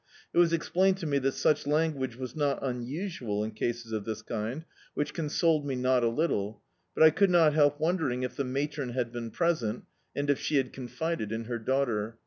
It was explained to me that such language was not imusual in cases of this kind, which consoled me not a little, but I could not help w(» dcring if the matron had been present, and if she had confided in her dau^ter.